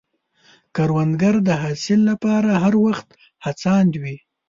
کروندګر د حاصل له پاره هر وخت هڅاند وي